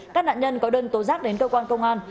các nạn nhân có đơn tố giác đến cơ quan công an